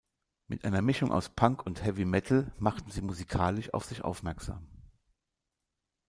Mit einer Mischung aus Punk und Heavy Metal machten sie musikalisch auf sich aufmerksam.